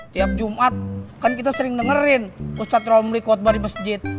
tiap jumat kan kita sering dengerin ustadz romli khutbah di masjid